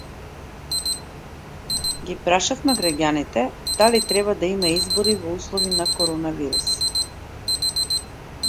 Ги прашавме граѓаните, дали треба да има избори во услови на коронавирус